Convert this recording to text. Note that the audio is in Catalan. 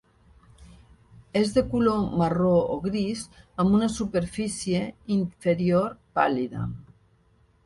És de color marró o gris amb una superfície inferior pàl·lida.